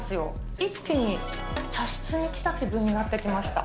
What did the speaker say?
一気に茶室に来た気分になってきました。